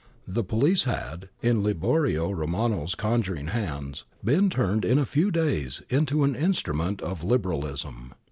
I'he police had, in Liborio Romano's conjuring hands, been turned in a few days into an instrument of Liberal ism.